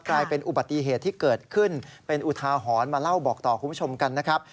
กลายเป็นอุบัติเหตุที่เกิดขึ้นเป็นอุทาหรณ์มาเล่าบอกต่อคุณผู้ชมกันนะครับ